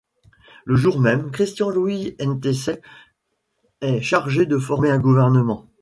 Le jour même, Christian Louis Ntsay est chargé de former un gouvernement.